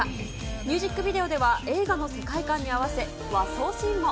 ミュージックビデオでは、映画の世界観に合わせ、和装シーンも。